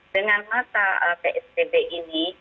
dengan masa psbb ini